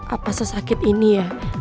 apa sesakit ini ya